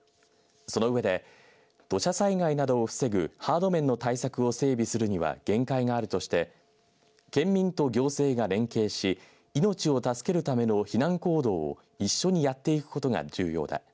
その上で土砂災害などを防ぐハード面の対策を整備するには限界があるとして県民と行政が連携し命を助けるための避難行動を一緒にやっていくことが重要だ。